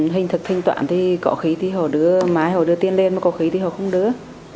hình thức thanh toán thì có khi thì họ đưa mãi họ đưa tiền lên mà có khí thì họ không đưa